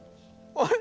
あれ？